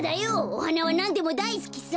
おはなはなんでもだいすきさ。